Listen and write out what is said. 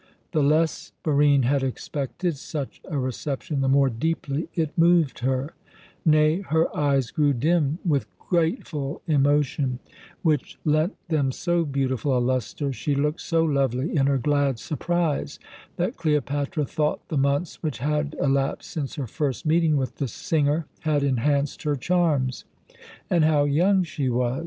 The less Barine had expected such a reception the more deeply it moved her; nay, her eyes grew dim with grateful emotion, which lent them so beautiful a lustre, she looked so lovely in her glad surprise, that Cleopatra thought the months which had elapsed since her first meeting with the singer had enhanced her charms. And how young she was!